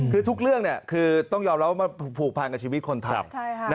คือทุกเรื่องต้องยอมแล้วว่ามันผูกผ่านกับชีวิตคนไทย